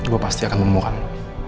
gue pasti akan nemukan lo